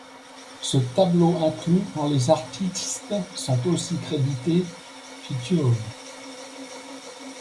Ce tableau inclut quand les artistes sont aussi crédités 'featured'.